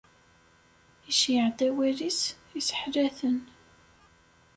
Iceyyeɛ-d awal-is, isseḥla-ten.